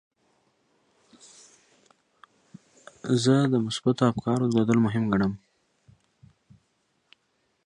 زه د مثبتو افکارو درلودل مهم ګڼم.